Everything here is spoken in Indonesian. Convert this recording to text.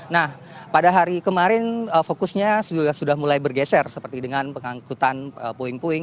nah pada hari kemarin fokusnya sudah mulai bergeser seperti dengan pengangkutan puing puing